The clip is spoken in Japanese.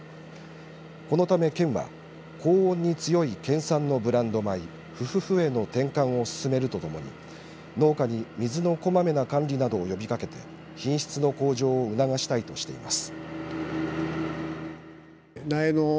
このため県は高温に強い県産のブランド米富富富への転換を進めるとともに農家に水のこまめな管理などを呼びかけて品質の向上を促したいとしています。